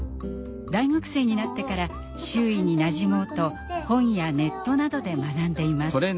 大学生になってから周囲になじもうと本やネットなどで学んでいます。